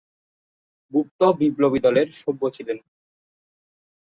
গুপ্ত বিপ্লবী দলের সভ্য ছিলেন।